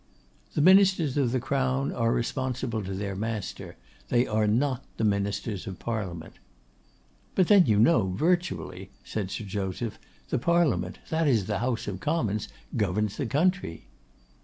'The Ministers of the Crown are responsible to their master; they are not the Ministers of Parliament.' 'But then you know virtually,' said Sir Joseph, 'the Parliament, that is, the House of Commons, governs the country.